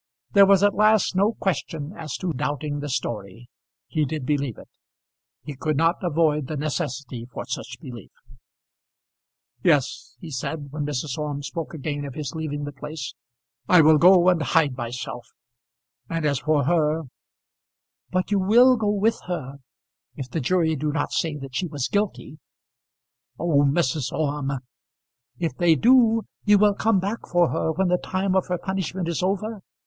There was at last no question as to doubting the story. He did believe it. He could not avoid the necessity for such belief. "Yes," he said, when Mrs. Orme spoke again of his leaving the place, "I will go and hide myself; and as for her " "But you will go with her, if the jury do not say that she was guilty " "Oh, Mrs. Orme!" "If they do, you will come back for her, when the time of her punishment is over?